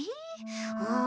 うん。